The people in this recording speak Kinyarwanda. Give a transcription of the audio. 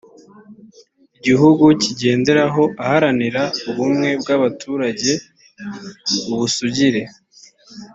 igihugu kigenderaho aharanira ubumwe bw abaturage ubusugire